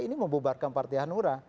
ini membubarkan partai hanura